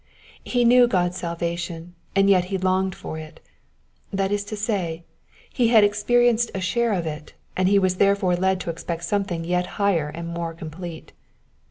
He knew God's salvation, and yet he longed for it ; that is to say, he had experienced a share of it, and he was therefore led to expect something yet higher and more complete.